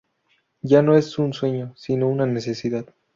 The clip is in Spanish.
Ya no es un sueño, sino una necesidad.